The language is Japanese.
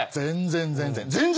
全然全然。